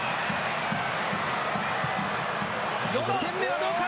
４点目はどうか。